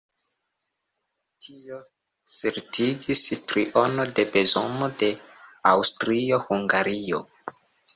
Tio certigis triono de bezono de Aŭstrio-Hungario.